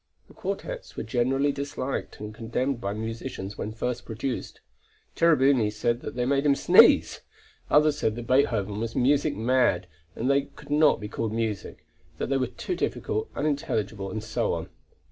The quartets were generally disliked and condemned by musicians when first produced. Cherubini said that they made him sneeze. Others said that Beethoven was music mad, that they could not be called music, that they were too difficult, unintelligible, and so on.